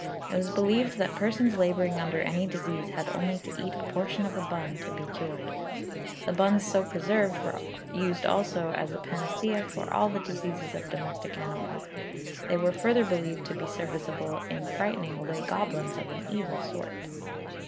It was believed that persons labouring under any disease had only to eat a portion of a bun to be cured. The buns so preserved were used also as a panacea for all the diseases of domestic animals. They were further believed to be serviceable in frightening away goblins of an evil sort.